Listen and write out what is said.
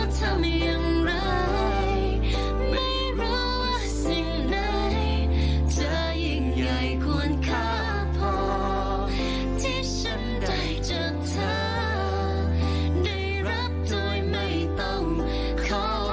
ที่ฉันได้จากเธอได้รับโดยไม่ต้องขอ